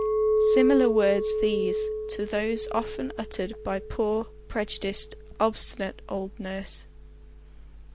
Similar words these to those often uttered by poor, prejudiced, obstinate old nurse.